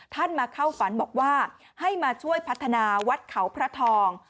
มาเข้าฝันบอกว่าให้มาช่วยพัฒนาวัดเขาพระทอง